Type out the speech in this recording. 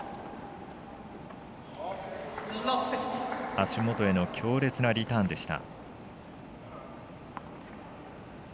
足元への強烈なリターンでした。